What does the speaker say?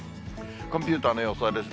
コンピューターの予想です。